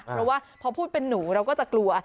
เพราะว่าพอพูดเป็นหนูเราก็จะกลัว